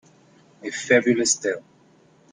A Fabulous tale.